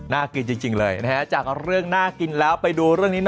น่ากินจริงเลยนะฮะจากเรื่องน่ากินแล้วไปดูเรื่องนี้หน่อย